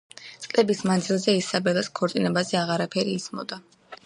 წლების მანძილზე ისაბელას ქორწინებაზე აღარაფერი ისმოდა.